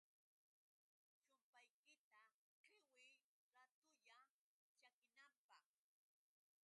chumpaykita qiwiy raatulla chakinanpaq.